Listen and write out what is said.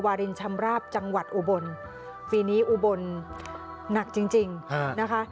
รินชำราบจังหวัดอุบลปีนี้อุบลหนักจริงจริงนะคะ